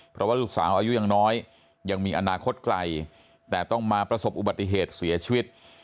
เพราะว่าลูกสาวอายุยังน้อยยังมีอนาคตไกลแต่ต้องมาประสบอุบัติเหตุเสียชีวิต